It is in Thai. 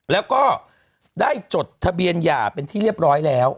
แล้วก็ได้จดทะเบียนหย่าเป็นที่เรียบร้อยแล้ว